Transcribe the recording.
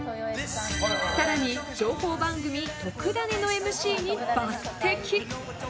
更に情報番組「とくダネ！」のＭＣに抜擢。